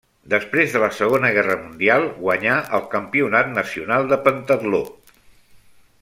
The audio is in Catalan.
Després de la Segona Guerra Mundial guanyà el campionat nacional de pentatló.